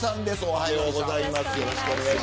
おはようございます。